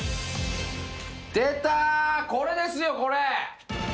これですよこれ！